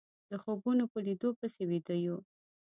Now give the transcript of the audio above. د خوبونو په ليدو پسې ويده يو